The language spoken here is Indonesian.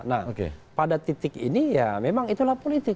nah pada titik ini ya memang itulah politik